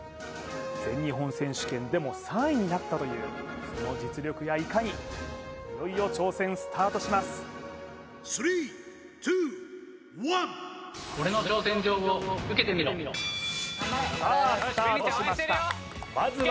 全日本選手権でも３位になったというその実力やいかにいよいよ挑戦スタートしますさあスタートしました